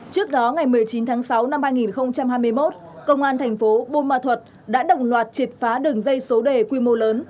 trước đó ngày một mươi chín tháng sáu năm hai nghìn hai mươi một công an tp hcm đã động loạt triệt phá đường dây số đề quy mô lớn